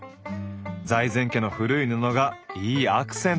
財前家の古い布がいいアクセントに！